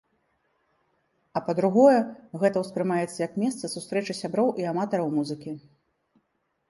А па-другое, гэта ўспрымаецца як месца сустрэчы сяброў і аматараў музыкі.